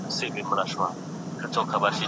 پلاستیکي ګلان پلوري